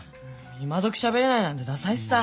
今どきしゃべれないなんてダサいしさ。